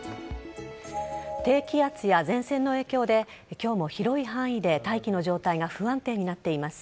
低気圧や前線の影響で今日も広い範囲で大気の状態が不安定になっています。